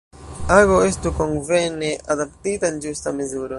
Ago estu konvene adaptita, en ĝusta mezuro.